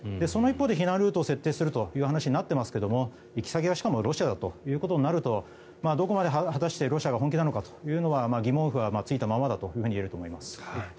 その一方で、避難ルートを設定するという話になっていますが行き先が、しかもロシアだということになるとどこまで果たしてロシアが本気なのかというのは疑問符がついたままだといえると思います。